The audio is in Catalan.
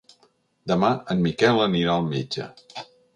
Demà en Miquel anirà al metge.